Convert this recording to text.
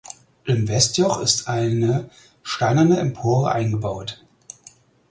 Im Westjoch ist eine steinerne Empore eingebaut.